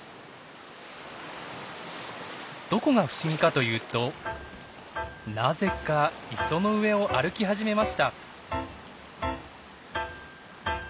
どこが不思議かというとなぜか磯の上を歩き始めました。